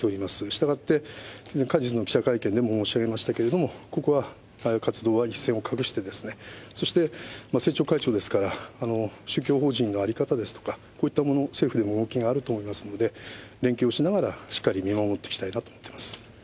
したがって、過日の記者会見でも申し上げましたけれども、ここは活動は一線を画して、そして政調会長ですから、宗教法人の在り方ですとか、こういったもの、政府でも動きがあると思いますので、勉強をしながら、しっかり見守っていきたいなと思います。